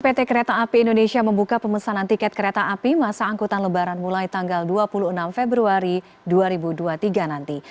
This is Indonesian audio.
pt kereta api indonesia membuka pemesanan tiket kereta api masa angkutan lebaran mulai tanggal dua puluh enam februari dua ribu dua puluh tiga nanti